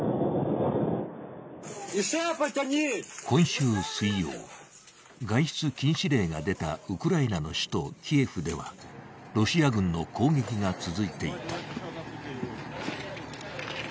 今週水曜、外出禁止令が出たウクライナの首都キエフではロシア軍の攻撃が続いていた。